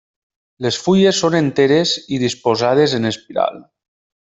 Les fulles són enteres i disposades en espiral.